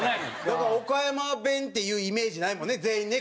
だから岡山弁っていうイメージないもんね全員ね